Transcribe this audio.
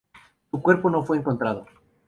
Su cuerpo no fue encontrado.